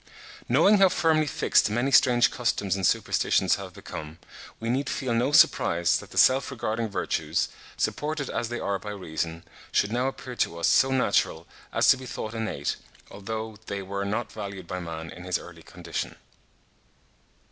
Knowing how firmly fixed many strange customs and superstitions have become, we need feel no surprise that the self regarding virtues, supported as they are by reason, should now appear to us so natural as to be thought innate, although they were not valued by man in his early condition.